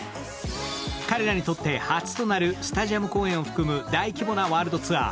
彼らにとって初となるスタジアム公演を含む大規模なワールドツアー。